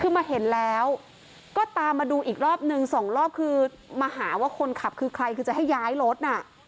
คือมาเห็นแล้วก็ตามมาดูอีกรอบนึงสองรอบคือมาหาว่าคนขับคือใครคือจะให้ย้ายรถน่ะ